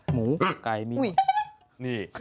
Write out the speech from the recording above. หมูไก่มีนี่